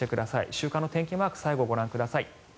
週間の天気マーク最後ご覧ください。